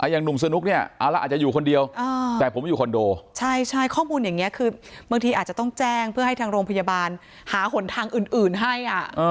อย่างหนุ่มสนุกเนี่ยเอาละอาจจะอยู่คนเดียวแต่ผมอยู่คอนโดใช่ข้อมูลอย่างนี้คือบางทีอาจจะต้องแจ้งเพื่อให้ทางโรงพยาบาลหาหนทางอื่นให้